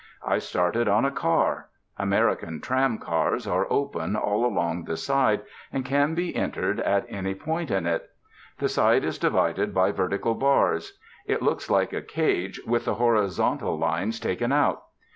I started on a 'car.' American tram cars are open all along the side and can be entered at any point in it. The side is divided by vertical bars. It looks like a cage with the horizontal lines taken out.